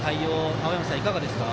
青山さん、いかがですか？